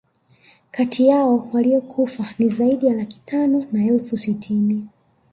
Kati yao waliokufa ni zaidi ya laki tano na elfu sitini